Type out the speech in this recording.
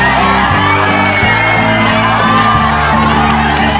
มันมีอ้าวมันมีอ้าว